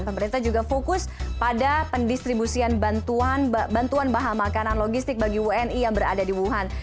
pemerintah juga fokus pada pendistribusian bantuan bahan makanan logistik bagi wni yang berada di wuhan